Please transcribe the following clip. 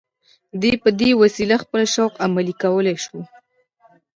ده په دې وسیله خپل شوق عملي کولای شو